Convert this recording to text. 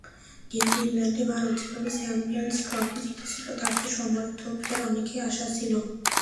কিন্তু ইংল্যান্ডে ভারত যেভাবে চ্যাম্পিয়নস ট্রফি জিতেছিল তাতে সমর্থকদের অনেকেই আশায় ছিল।